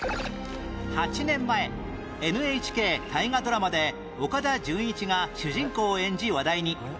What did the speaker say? ８年前 ＮＨＫ 大河ドラマで岡田准一が主人公を演じ話題に